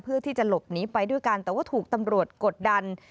เพื่อที่จะหลบหนีไปด้วยกันแต่ว่าถูกตำรวจกดดัน